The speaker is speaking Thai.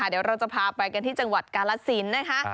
เดี๋ยวเราจะพาไปกันที่จังหวัดกาลสินนะคะ